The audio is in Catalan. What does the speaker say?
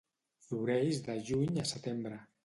Floreix de juny a setembre.